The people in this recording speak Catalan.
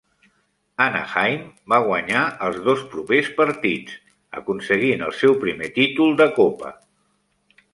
Anaheim va guanyar els dos propers partits, aconseguint el seu primer títol de Copa.